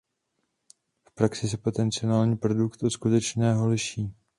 V praxi se potenciální produkt od skutečného liší.